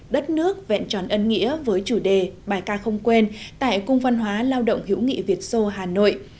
đất nước vẹn tròn ân nghĩa với chủ đề bài ca không quên tại cung văn hóa lao động hữu nghị việt sô hà nội